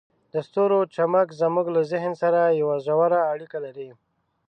د ستورو چمک زموږ له ذهن سره یوه ژوره اړیکه لري.